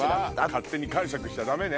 勝手に解釈しちゃダメね。